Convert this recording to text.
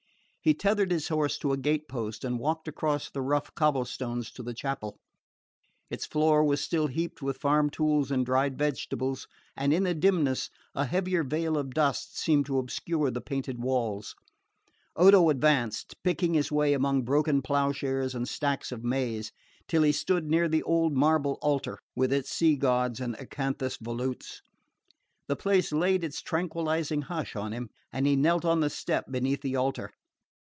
He tethered his horse to a gate post and walked across the rough cobble stones to the chapel. Its floor was still heaped with farm tools and dried vegetables, and in the dimness a heavier veil of dust seemed to obscure the painted walls. Odo advanced, picking his way among broken ploughshares and stacks of maize, till he stood near the old marble altar, with its sea gods and acanthus volutes. The place laid its tranquillising hush on him, and he knelt on the step beneath the altar.